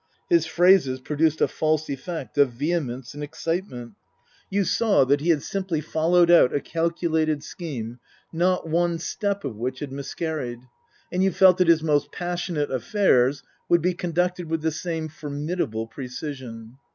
His phrases produced a false effect of vehemence and excitement. You saw that he 24 Tasker Jevons had simply followed out a calculated scheme, not one step of which had miscarried. And you felt that his most passionate affairs would be conducted with the same formidable precision.